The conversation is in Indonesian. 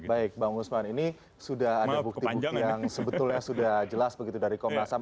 baik bang usman ini sudah ada bukti bukti yang sebetulnya sudah jelas begitu dari komnas ham